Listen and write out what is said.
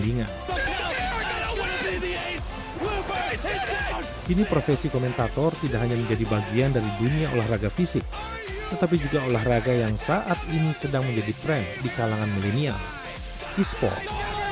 kini profesi komentator tidak hanya menjadi bagian dari dunia olahraga fisik tetapi juga olahraga yang saat ini sedang menjadi tren di kalangan milenial e sport